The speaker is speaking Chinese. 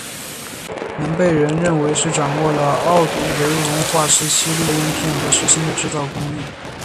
能人被认为是掌握了奥杜韦文化时期利用薄岩片和石芯的制造工艺。